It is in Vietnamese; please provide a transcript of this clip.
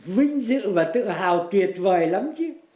vinh dự và tự hào tuyệt vời lắm chứ